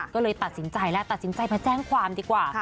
ก็เลยตัดสินใจแล้วตัดสินใจมาแจ้งความดีกว่า